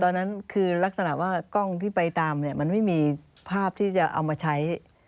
ตอนนั้นคือลักษณะว่ากล้องที่ไปตามเนี่ยมันไม่มีภาพที่จะเอามาใช้